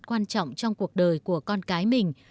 quan trọng trong cuộc đời của con cái mình